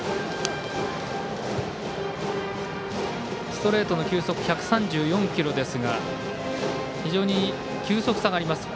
ストレートの球速１３４キロですが非常に球速差があります。